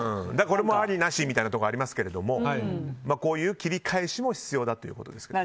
これもありなしみたいなところありますけどこういう切り返しも必要だということです。